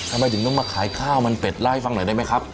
ทำไมถึงต้องมาขายข้าวมันเป็ดเล่าให้ฟังหน่อยได้ไหมครับ